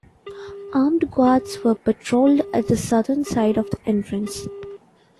Armed guards were patrolled at the southern side of the entrance.